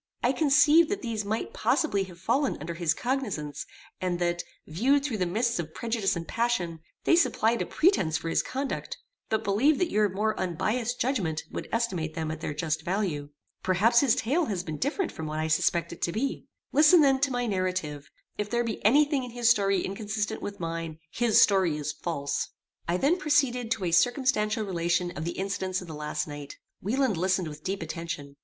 I conceived that these might possibly have fallen under his cognizance, and that, viewed through the mists of prejudice and passion, they supplied a pretence for his conduct, but believed that your more unbiassed judgment would estimate them at their just value. Perhaps his tale has been different from what I suspect it to be. Listen then to my narrative. If there be any thing in his story inconsistent with mine, his story is false." I then proceeded to a circumstantial relation of the incidents of the last night. Wieland listened with deep attention.